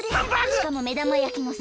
しかもめだまやきのせ。